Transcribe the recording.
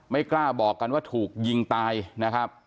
ไม่กล้าบอกกันว่าถูกยิงตายนะครับ